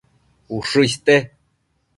Ushë iste